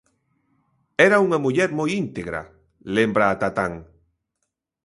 "Era unha muller moi íntegra", lembra Tatán.